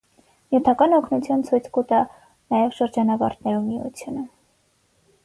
Նիւթական օգնութիւն ցոյց կու տայ նաեւ շրջանաւարտներու միութիւնը։